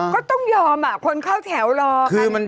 ก็ต้องยอมคนเข้าแถวรอค่ะ